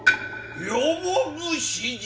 山伏じゃ。